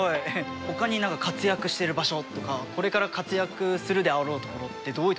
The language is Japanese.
ほかに何か活躍してる場所とかこれから活躍するであろう所ってどういう所なんですか？